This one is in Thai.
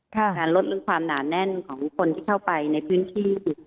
การลดเรื่องความหนาแน่นของคนที่เข้าไปในพื้นที่